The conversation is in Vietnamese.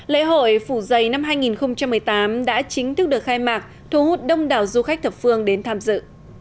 lễ hội phủ giày năm hai nghìn một mươi tám đã chính thức được khai mạc thu hút đông đảo du khách thập phương đến tham dự